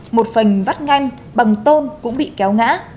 một phần vắt ngăn bằng tôn cũng bị kéo ngã